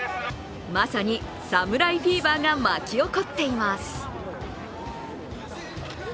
まさに侍フィーバーが巻き起こっています。